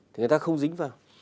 thì người ta không dính vào